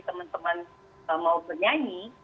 teman teman mau bernyanyi